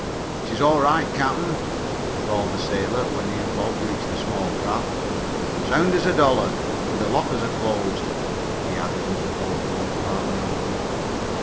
"She's all right, cap'n!" called the sailor, when he and Bob reached the small craft. "Sound as a dollar, and the lockers are closed," he added as the boat rolled partly over.